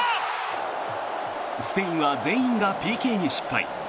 スペインは全員がＰＫに失敗。